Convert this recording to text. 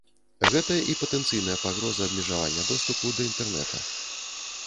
Гэта і патэнцыйная пагроза абмежавання доступу да інтэрнэта.